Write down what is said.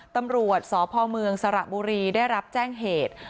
ตำรวจสพเมืองสระบุรีได้รับแจ้งเหตุ